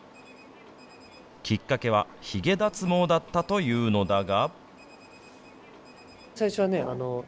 きっかけは、ひげ脱毛だったというのだが。